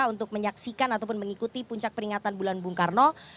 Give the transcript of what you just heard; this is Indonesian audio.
untuk menyaksikan ataupun mengikuti puncak peringatan bulan bung karno